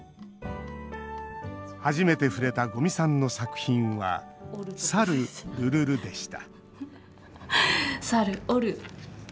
初めて触れた五味さんの作品は「さる・るるる」でした